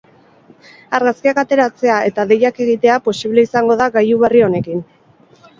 Argazkiak ateratzea eta deiak egitea posible izango da gailu berri honekin.